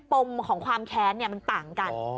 ปมของความแขนเนี่ยมันต่างกัน